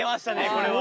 これは。